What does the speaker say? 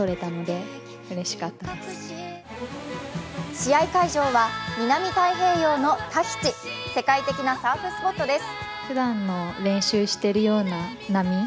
試合会場は南太平洋のタヒチ、世界的なサーフスポットです。